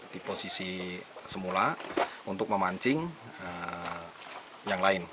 di posisi semula untuk memancing yang lain